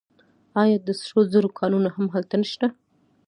آیا د سرو زرو کانونه هم هلته نشته؟